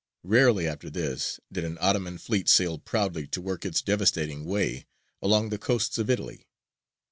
Rarely after this did an Ottoman fleet sail proudly to work its devastating way along the coasts of Italy.